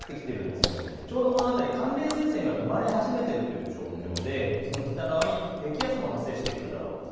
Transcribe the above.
ちょうどこの辺り、寒冷前線が生まれ始めているという状況で北側に低気圧も発生してくるだろうという。